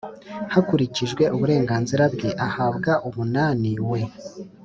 hakurikijwe uburenganzira bwe ahabwa umunani we